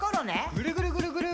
ぐるぐるぐるぐる！